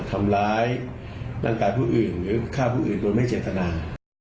ทำร้ายร่างกายผู้อื่นหรือฆ่าผู้อื่นโดยไม่เจตนา